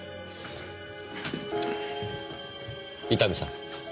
伊丹さん。